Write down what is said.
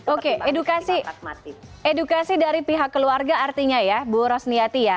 oke edukasi dari pihak keluarga artinya ya bu rosniati ya